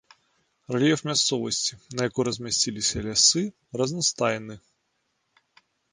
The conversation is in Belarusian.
Рэльеф мясцовасці, на якой размясціліся лясы, разнастайны.